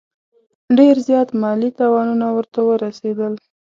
ډېر زیات مالي تاوانونه ورته ورسېدل.